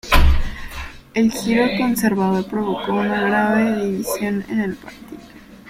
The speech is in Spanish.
El giro conservador provocó una grave división en el partido.